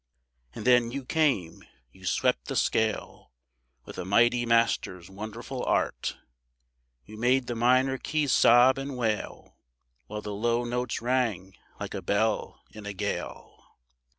And then you came. You swept the scale With a mighty master's wonderful art. You made the minor keys sob and wail, While the low notes rang like a bell in a gale.